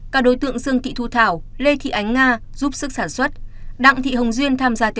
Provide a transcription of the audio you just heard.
cả đối tượng dương thị thu thảo lê thị ánh nga giúp sức sản xuất